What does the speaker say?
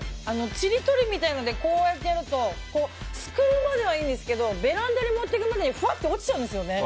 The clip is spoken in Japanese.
ちりとりみたいなのでこうやってやるとすくうまではいいんですけどベランダに持っていくまでにふわって落ちちゃうんですよね。